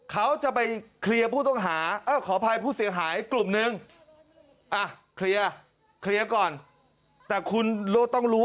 เขาจะไปเคลียร์ผู้ต้องหาขออภัยผู้เสียหายกลุ่มนึง